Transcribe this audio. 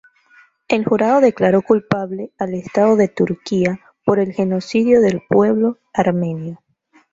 El jurado declaró culpable al estado de Turquía por el genocidio del pueblo armenio.